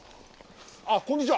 あっこんにちは。